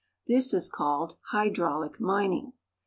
This is called hydraulic mining.